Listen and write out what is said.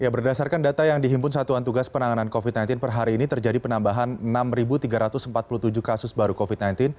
berdasarkan data yang dihimpun satuan tugas penanganan covid sembilan belas per hari ini terjadi penambahan enam tiga ratus empat puluh tujuh kasus baru covid sembilan belas